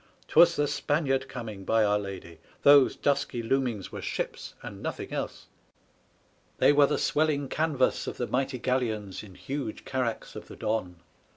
'Twas the Spaniard coming, by Our Lady! Those dusky loomings were ships, and nothing else. They were the swelling canvas pf the mighty galleons and huge carracks of the Don.